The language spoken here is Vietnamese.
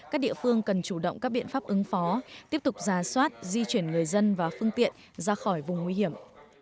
các địa phương cần chủ động các biện pháp ứng phó tiếp tục giả soát di chuyển người dân và phương tiện ra khỏi vùng nguy hiểm